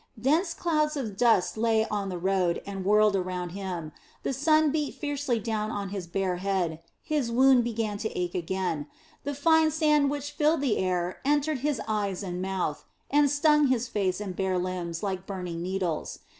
Dense clouds of dust lay on the road and whirled around him, the sun beat fiercely down on his bare head, his wound began to ache again, the fine sand which filled the air entered his eyes and mouth and stung his face and bare limbs like burning needles.